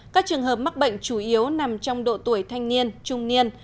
các trường hợp mắc bệnh chủ yếu nằm trong độ tuổi thanh niên trung niên